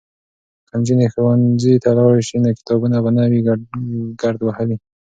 که نجونې ښوونځي ته لاړې شي نو کتابونه به نه وي ګرد وهلي.